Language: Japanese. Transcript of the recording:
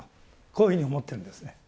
こういうふうに思ってるんですね。